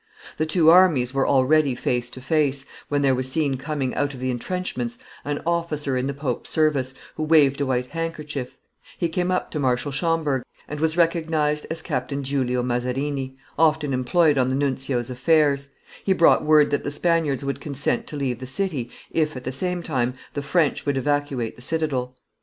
The two armies were already face to face, when there was seen coming out of the intrenchments an officer in the pope's service, who waved a white handkerchief; he came up to Marshal Schomberg, and was recognized as Captain Giulio Mazarini, often employed on the nuncio's affairs; he brought word that the Spaniards would consent to leave the city, if, at the same time, the French would evacuate the citadel.